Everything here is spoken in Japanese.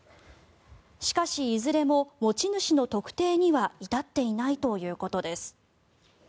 しかし、いずれも持ち主の特定には至っていないということです。